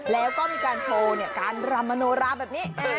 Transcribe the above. แล้วก็มีการโชว์การรำมโนราแบบนี้